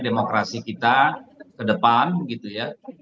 demokrasi kita ke depan gitu ya